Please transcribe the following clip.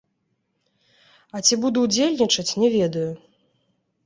А ці буду ўдзельнічаць, не ведаю.